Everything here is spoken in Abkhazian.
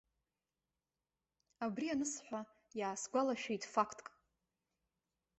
Абри анысҳәа, иаасгәалашәеит фақтк.